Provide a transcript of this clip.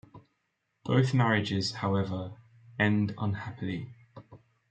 Both marriages, however, end unhappily.